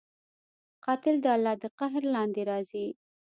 قاتل د الله د قهر لاندې راځي